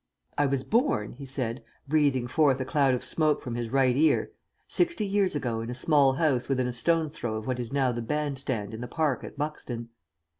"I was born," he said, breathing forth a cloud of smoke from his right ear, "sixty years ago in a small house within a stone's throw of what is now the band stand in the park at Buxton."